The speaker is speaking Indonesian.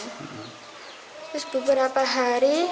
terus beberapa hari